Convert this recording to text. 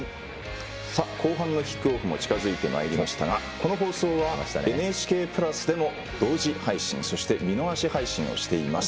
後半のキックオフも近づいてまいりましたがこの放送はＮＨＫプラスでも同時配信そして、見逃し配信をしています。